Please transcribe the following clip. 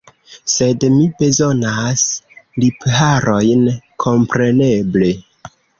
Sed mi bezonas lipharojn, kompreneble.